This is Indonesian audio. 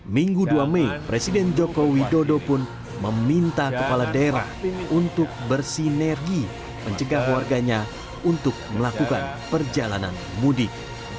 minggu dua mei presiden joko widodo pun meminta kepala daerah untuk bersinergi mencegah warganya untuk melakukan perjalanan mudik